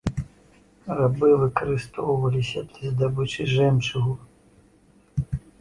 Рабы выкарыстоўваліся для здабычы жэмчугу.